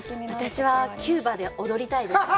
私は、キューバで踊りたいです。